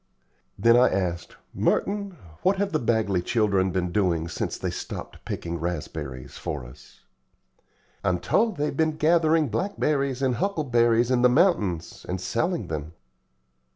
Then I asked, "Merton, what have the Bagley children been doing since they stopped picking raspberries for us?" "I'm told they've been gathering blackberries and huckleberries in the mountains, and selling them."